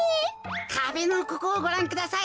かべのここをごらんください。